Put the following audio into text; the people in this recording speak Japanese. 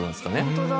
本当だ